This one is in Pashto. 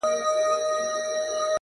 سیاه پوسي ده!! ستا غمِستان دی!!